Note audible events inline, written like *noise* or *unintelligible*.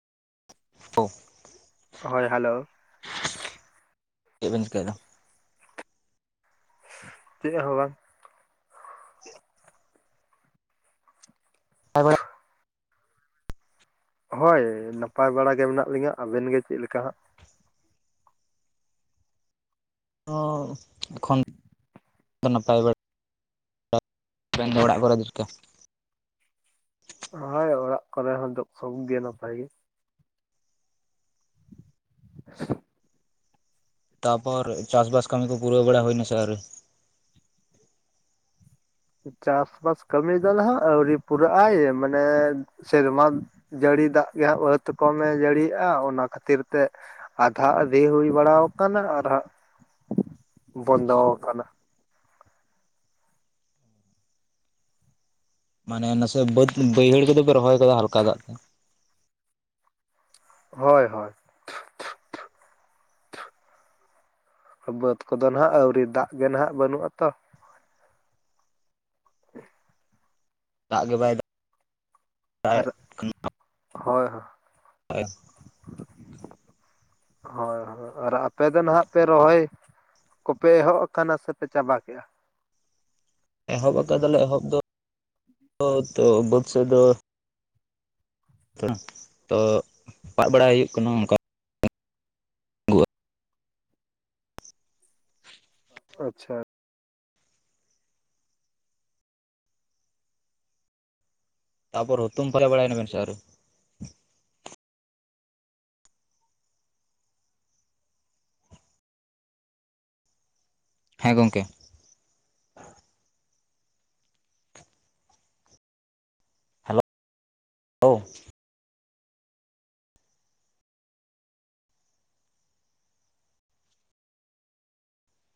*unintelligible* ᱦᱳᱭ ᱦᱮᱞᱳ᱾ ᱪᱮᱫ ᱵᱮᱱ ᱪᱤᱠᱟᱹᱭᱫᱟ? ᱪᱮᱫ ᱦᱚᱸ ᱵᱟᱝ᱾ *unintelligible* ᱦᱳᱭ ᱱᱟᱯᱟᱭ ᱵᱟᱲᱟ ᱜᱮ ᱢᱮᱱᱟᱜ ᱞᱤᱧᱟᱹ ᱟᱵᱮᱱ ᱜᱮ ᱪᱮᱫ ᱞᱮᱠᱟ ᱦᱟᱸᱜ᱾ ᱚ ᱮᱠᱷᱚᱱ ᱱᱟᱯᱟᱭ ᱵᱟᱲᱟ᱾ *unintelligible* ᱚᱲᱟᱜ ᱠᱚᱨᱮ ᱡᱚᱛᱚ ᱾ ᱦᱳᱭ ᱚᱲᱟᱜ ᱠᱚᱨᱮ ᱦᱚᱸ ᱥᱚᱵ ᱜᱮ ᱱᱟᱯᱟᱭ ᱜᱮ᱾ ᱛᱟᱯᱚᱨ ᱪᱟᱥ ᱵᱟᱥ ᱠᱟᱹᱢᱤ ᱠᱚ ᱯᱩᱨᱟᱹᱣ ᱵᱟᱲᱟ ᱦᱩᱭᱱᱟ ᱥᱮ ᱟᱨᱭᱨᱤ᱾ ᱪᱟᱥ ᱵᱟᱥ ᱠᱟᱹᱢᱤ ᱫᱚ ᱱᱟᱦᱟᱜ ᱟᱹᱣᱨᱤ ᱯᱩᱨᱟᱹᱜ ᱟᱭ ᱢᱟᱱᱮ ᱥᱮᱨᱢᱟ ᱡᱟᱹᱲᱤ ᱫᱟᱜ ᱜᱮᱦᱟᱸᱜ *unintelligible* ᱠᱚᱢᱮ ᱡᱟᱹᱲᱤᱭᱟᱜᱼᱟ ᱚᱱᱟ ᱠᱷᱟᱹᱛᱤᱨ ᱛᱮ ᱟᱫᱷᱟ ᱟᱫᱦᱤ ᱦᱩᱭ ᱵᱟᱲᱟ ᱟᱠᱟᱱᱟ᱾ ᱟᱨᱦᱜ ᱵᱚᱱᱫᱚ ᱠᱟᱱᱟ᱾ ᱢᱟᱱᱮ ᱱᱟᱥᱮ ᱵᱟᱹᱫ ᱠᱚᱫᱚ ᱯᱮ ᱨᱚᱦᱚᱭ ᱦᱟᱞᱠᱟ ᱫᱟᱜ ᱛᱮ᱾ ᱦᱳᱭ ᱦᱳᱭ᱾ ᱵᱟᱹᱫᱽ ᱠᱚᱫᱚ ᱱᱟᱦᱟᱜ ᱟᱣᱨᱤ, ᱫᱟᱜ ᱜᱮ ᱱᱟᱦᱟᱜ ᱵᱟᱹᱱᱩᱜ ᱟᱛᱚ᱾ *inaudible* ᱫᱟᱜ ᱜᱮ ᱵᱟᱭ ᱫᱟ ᱟᱨ ᱦᱳᱭ ᱦᱳ *unintelligible* ᱦᱳᱭ ᱦᱳᱭ ᱟᱨ ᱟᱯᱮ ᱫᱚ ᱱᱟᱦᱟᱜ ᱯᱮ ᱨᱚᱦᱚᱭ ᱠᱚᱯᱮ ᱮᱦᱚᱵ ᱠᱟᱱᱟ ᱥᱮᱯᱮ ᱪᱟᱵᱟ ᱠᱮᱜᱼᱟ᱾ ᱮᱦᱚᱵ ᱟᱠᱟᱫᱟᱞᱮ ᱮᱦᱚᱵ ᱫᱚ ᱛᱚ *unintelligible* ᱵᱟᱹᱫᱽ ᱥᱮᱫ ᱫᱚ᱾ ᱛᱚ ᱥᱟᱵ ᱵᱟᱲᱟᱭ ᱦᱩᱭᱩᱜ ᱠᱟᱱᱟ ᱚᱝᱠᱟ᱾᱾ ᱟᱪᱪᱷᱟ᱾ ᱛᱟᱯᱚᱨ ᱦᱩᱛᱩᱢ ᱯᱟᱨᱟ ᱵᱟᱲᱟᱭ ᱮᱱᱟᱵᱱ ᱥᱮ ᱟᱣᱨᱤ᱾ ᱦᱮᱸ ᱜᱚᱢᱠᱮ᱾ *unintelligible*